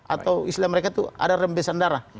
atau istilah mereka itu ada rembesan darah